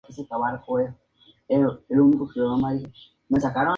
Otra está en euskera, "Oi-Oi!!!".